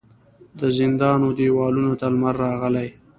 د زندان و دیوالونو ته لمر راغلی